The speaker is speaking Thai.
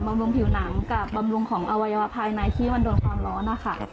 ำรุงผิวหนังกับบำรุงของอวัยวะภายในที่มันโดนความร้อนนะคะ